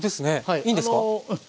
いいんですか？